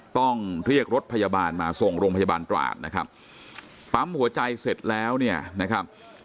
ต้องเรียกรถพยาบาลมาส่งโรงพยาบาลตราดนะครับปั๊มหัวใจเสร็จแล้วเนี่ยนะครับ